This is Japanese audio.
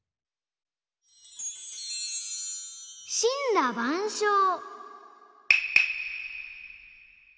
「しんらばんしょう」。